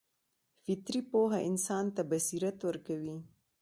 فطري پوهه انسان ته بصیرت ورکوي.